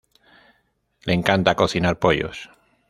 Le encanta cocinar pollos